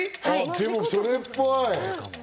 でも、それっぽい。